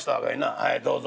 はいどうぞ」。